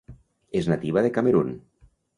És nativa de Camerun.